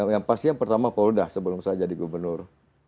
yang pasti yang pertama polda sebelum saya jadi gubernur